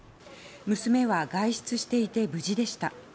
娘は外出していて無事でした。